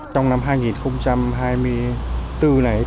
trong năm hai nghìn hai mươi bốn này